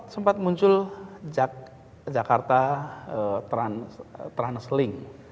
sempat muncul jakarta trans link